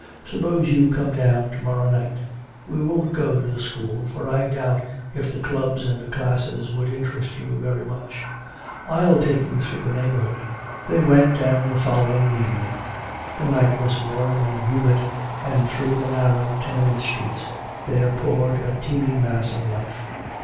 Suppose you come down to morrow night. We won't go to the school, for I doubt if the clubs and classes would interest you very much. I'll take you through the neighborhood." They went down the following evening. The night was warm and humid, and through the narrow tenement streets there poured a teeming mass of life.